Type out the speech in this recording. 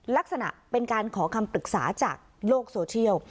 ลักษณะเป็นการขอคำปรึกษาจากโลกโซเชียล